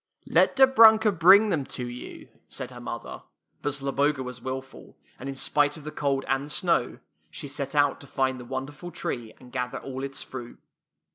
" Let Dobrunka bring them to you," said her mother; but Zloboga was wilful, and in spite of the cold and the snow, she set out to find the wonderful tree and gather all its fruit.